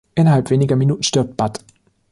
Innerhalb weniger Minuten stirbt Budd.